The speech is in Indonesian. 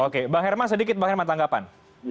oke pak herman sedikit tanggapan